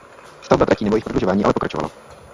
Stavba tratí nebo jejich prodlužování ale pokračovalo.